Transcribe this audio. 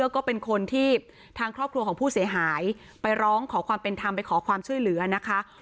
แล้วก็เป็นคนที่ทางครอบครัวของผู้เสียหายไปร้องขอความเป็นธรรมไปขอความช่วยเหลือนะคะ